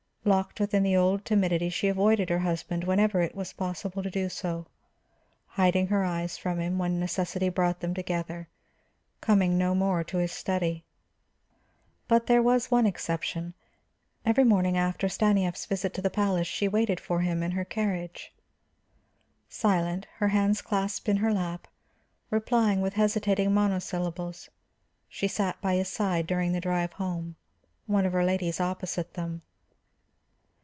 Locked within the old timidity, she avoided her husband whenever it was possible to do so, hiding her eyes from him when necessity brought them together, coming no more to his study. But there was one exception: every morning, after Stanief's visit to the palace, she waited for him in her carriage. Silent, her hands clasped in her lap, replying with hesitating monosyllables, she sat by his side during the drive home, one of her ladies opposite them.